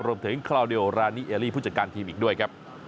รวมถึงคลาวเดียลรานีเอลลี่ผู้จัดการทีมอีกด้วยครับ